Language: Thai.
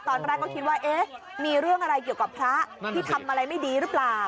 ตอนแรกก็คิดว่าเอ๊ะมีเรื่องอะไรเกี่ยวกับพระที่ทำอะไรไม่ดีหรือเปล่า